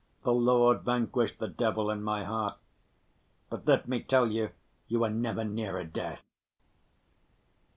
The Lord vanquished the devil in my heart. But let me tell you, you were never nearer death."